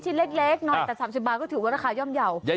เล็กน้อยแต่๓๐บาทก็ถือว่าราคาย่อมเยาว์